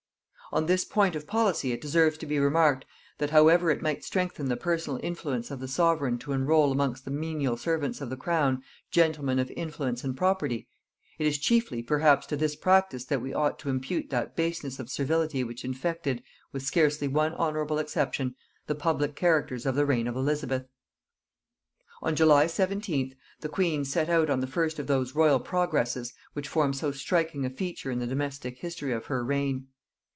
"] On this point of policy it deserves to be remarked, that however it might strengthen the personal influence of the sovereign to enroll amongst the menial servants of the crown gentlemen of influence and property, it is chiefly perhaps to this practice that we ought to impute that baseness of servility which infected, with scarcely one honorable exception, the public characters of the reign of Elizabeth. On July 17th the queen set out on the first of those royal progresses which form so striking a feature in the domestic history of her reign.